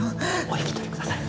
お引き取りください。